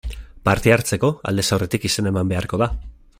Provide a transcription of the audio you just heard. Parte hartzeko, aldez aurretik izena eman beharko da.